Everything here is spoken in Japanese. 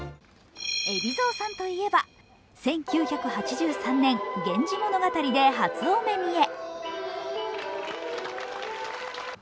海老蔵さんといえば、１９８３年「源氏物語」で初お目見え。